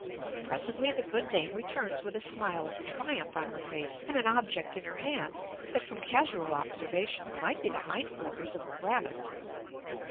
Presently the good dame returns with a smile of triumph on her face and an object in her hand that, from casual observation, might be the hind quarters of a rabbit.